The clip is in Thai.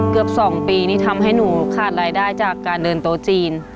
เกือบ๒ปีนี่ทำให้หนูขาดรายได้จากการเดินโต๊ะจีน